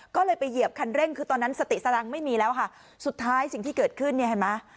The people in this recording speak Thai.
ก็เลยไปเหยียบคันเร่งคือตอนนั้นสติสรังไม่มีแล้วค่ะสุดท้ายสิ่งที่เกิดขึ้นเนี่ยเห็นไหม